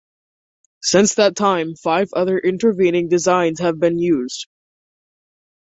Since that time, five other intervening designs have been used.